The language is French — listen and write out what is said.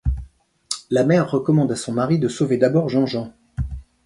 La mère recommande à son mari de sauver d'abord Jeanjean.